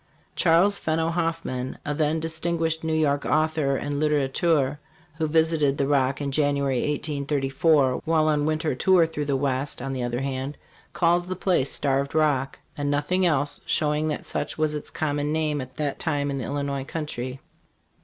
Chas. Fenno Hoffman, a then distinguished New York author and litterateur, who visited the Rock in January, 1834, while on a winter tour through the West, on the other hand, calls the place "Starved Rock" and nothing else, showing that such was its common name at that time in the Illinois country.